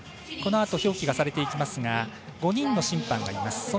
このあと表記がされていきますが５人の審判がいます。